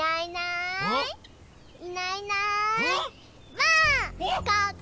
ばあっ！